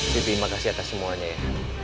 siti makasih atas semuanya ya